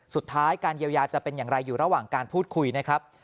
สุดท้ายการเยียวยาจะเป็นอย่างไรอยู่ระหว่างการพูดคุยนะครับ